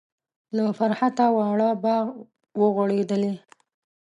له فرحته واړه باغ و غوړیدلی.